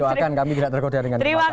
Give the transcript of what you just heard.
doakan kami tidak tergoda dengan permasalahan